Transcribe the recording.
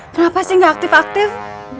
kenapa sih nggak aktif aktif